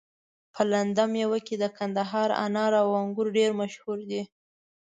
په لنده ميوه کي د کندهار انار او انګور ډير مشهور دي